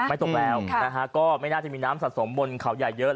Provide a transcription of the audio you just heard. ตกแล้วก็ไม่น่าจะมีน้ำสะสมบนเขาใหญ่เยอะ